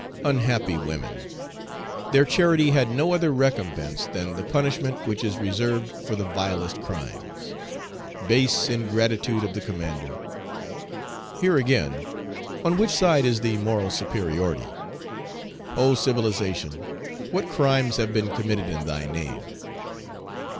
Unhappy women! their charity had no other recompense than the punishment which is reserved for the vilest crimes. Base ingratitude of the commander! Here, again, on which side is the moral superiority? Oh, civilization, what crimes have been committed in thy name!